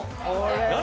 何？